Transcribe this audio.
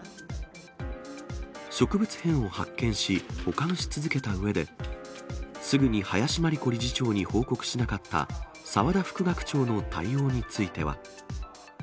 植物片を発見し、保管し続けたうえで、すぐに林真理子理事長に報告しなかった澤田副学長の対応については。